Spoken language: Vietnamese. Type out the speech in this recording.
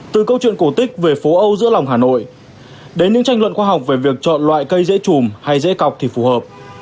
từ câu chuyện cổ tích về phố âu giữa lòng hà nội đến những tranh luận khoa học về việc chọn loại cây dễ chùm hay dễ cọc thì phù hợp